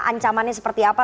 ancamannya seperti apa